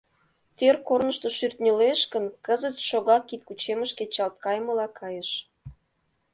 Тӧр корнышто шӱртньылеш гын, кызыт шога кидкучемыш кечалт кайымыла кайыш.